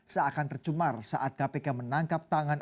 seakan tercemar saat kpk menangkap tangan